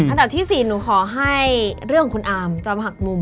อันดับที่๔หนูขอให้เรื่องของคุณอาร์มจำหักมุม